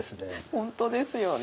本当ですよね。